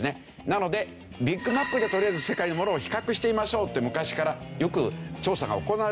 なのでビッグマックでとりあえず世界のものを比較してみましょうって昔からよく調査が行われてるんですよ。